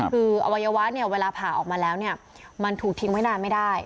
คืออวัยวะเนี่ยเวลาผ่าออกมาแล้วเนี่ยมันถูกทิ้งไว้นานไม่ได้